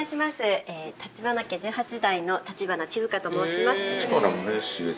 立花家１８代の立花千月香と申します。